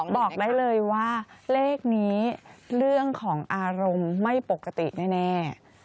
บอกได้เลยว่าเลขนี้เรื่องของอารมณ์ไม่ปกติแน่